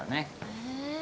へえ